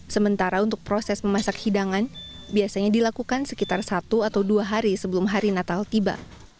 sementara untuk proses memasak hidangan biasanya dilakukan sekitar satu atau dua hari sebelum hari natal tiba